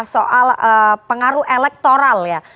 soal pengaruh elektoral ya